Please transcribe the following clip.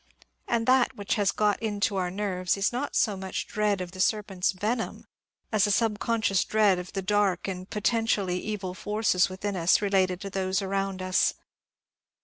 And that which has got into our nerves is not so much dread of the serpent's venom, as a subconscious dread of the dark and potentially evil forces within us related to those around us.